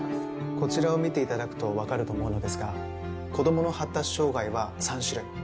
こちらを見て頂くとわかると思うのですが子どもの発達障害は３種類。